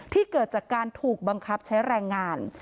เกิดจากการถูกบังคับใช้แรงงาน